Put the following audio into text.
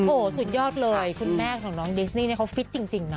โอ้โหสุดยอดเลยคุณแม่ของน้องดิสนี่เขาฟิตจริงนะ